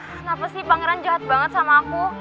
kenapa sih pangeran jahat banget sama aku